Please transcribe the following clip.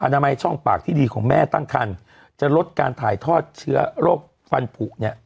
นามัยช่องปากที่ดีของแม่ตั้งคันจะลดการถ่ายทอดเชื้อโรคฟันผุเนี่ย